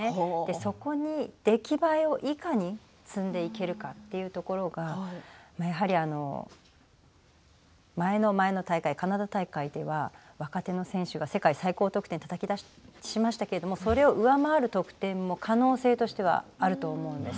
そこに出来栄えをいかに積んでいけるかというところが前の前の大会、カナダ大会では若手の選手が世界最高得点をたたき出しましたけれどもそれを上回る得点も可能性としては、あると思うんです。